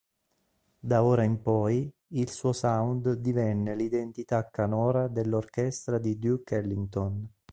Da ora in poi il suo sound divenne l'identità canora dell'orchestra di Duke Ellington.